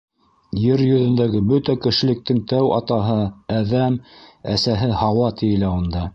Ер йөҙөндәге бөтә кешелектең тәү атаһы - Әҙәм, әсәһе - һауа, тиелә унда.